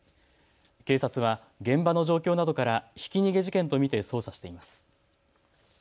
警察は現場の状況などからひき逃げ事件と見て捜査しています。